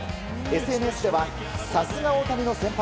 ＳＮＳでは、さすが大谷の先輩